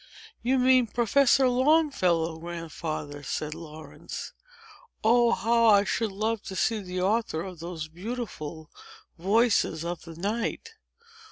"You mean Professor Longfellow, Grandfather," said Laurence. "Oh, how I should love to see the author of those beautiful VOICES OF THE NIGHT!"